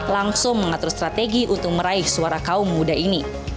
langsung mengatur strategi untuk meraih suara kaum muda ini